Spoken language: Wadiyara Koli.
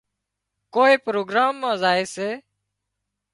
ڪوئي پروگرام مان زائي سي